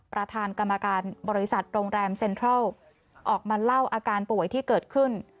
ประธานกรรมการบริษัทโรงแรมเซ็นทรัลออกมาเล่าอาการป่วยที่เกิดขึ้น